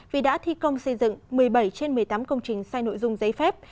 vì đã thi công xây dựng một mươi bảy trên một mươi tám công trình sai nội dung giấy phép